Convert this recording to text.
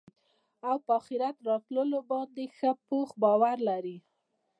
او په آخرت راتلو باندي ښه پوخ باور لري